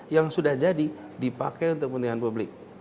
yang sudah jadi dipakai untuk kepentingan publik